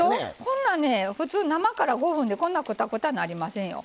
こんなね普通生から５分でこんなくたくたなりませんよ。